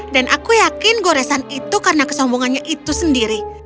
dan aku yakin goresan itu karena kesombongannya itu sendiri